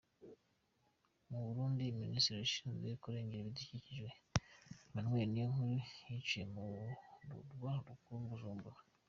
Mu Burundi ministri ushinzwe kurengera ibidukikije, Emmanuel Niyonkuru, yiciwe mu murwa mukuru Bujumbura.